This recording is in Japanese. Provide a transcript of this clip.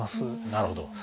なるほど。